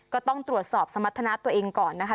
ก็ต้องตรวจสอบสมรรถนะตัวเองก่อนนะคะ